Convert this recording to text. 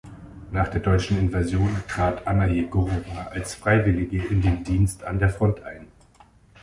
Nach der deutschen Invasion trat Anna Yegorova als Freiwiilige in den Dienst an der Front ein.